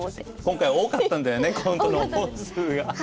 今回多かったんだよねコントの本数が。